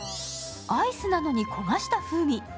アイスなのに焦がした風味。